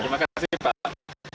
terima kasih pak